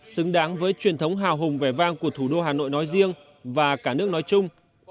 xứng đáng với truyền thống hào hùng vẻ vang của thủ đô hà nội nói riêng và cả nước nói chung